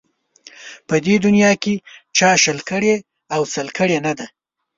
په دې دنیا کې چا شل کړي او سل کړي نه ده